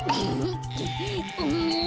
うん。